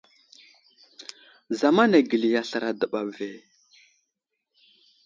Zamana gəli aslaray a dəɓa ve.